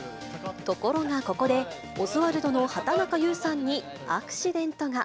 ところがここで、オズワルドの畠中悠さんにアクシデントが。